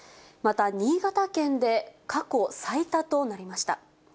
また新潟県で過去最多となりました。